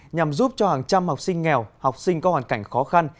nhằm giúp cho hàng trăm học sinh nghèo học sinh có hoàn cảnh khó khăn